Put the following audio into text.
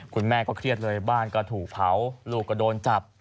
คุณแม่ก็เครียดเลยบ้านก็ถูกเผาลูกก็โดนจับ